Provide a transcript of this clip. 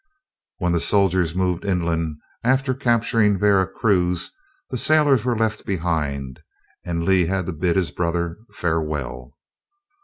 When the soldiers moved inland, after capturing Vera Cruz, the sailors were left behind, and Lee had to bid his brother farewell.